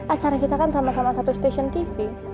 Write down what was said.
acara kita kan sama sama satu stasiun tv